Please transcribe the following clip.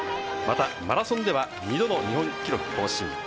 またマラソンでは２度の日本記録更新。